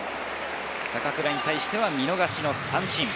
坂倉に対して見逃し三振。